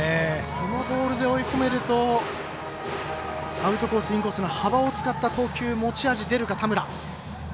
このボールで追い込めるとアウトコース、インコースの幅を使った投球持ち味、出るか田村。